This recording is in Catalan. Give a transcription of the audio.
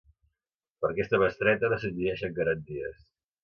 Per a aquesta bestreta no s'exigeixen garanties.